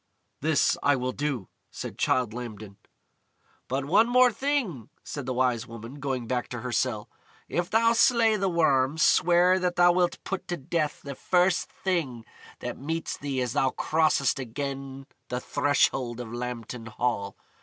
"This I will do," said Childe Lambton. "But one thing more," said the Wise Woman, going back to her cell. "If thou slay the Worm, swear that thou wilt put to death the first thing that meets thee as thou crossest again the threshold of Lambton Hall.